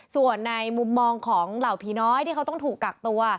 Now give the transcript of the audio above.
ส่วนในมุมมองของเหล่าผีน้อยที่เขาต้องถูกกักตัว